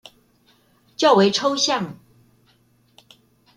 較為抽象